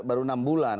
baru enam bulan